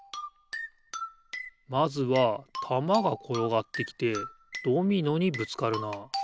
まずはたまがころがってきてドミノにぶつかるなあ。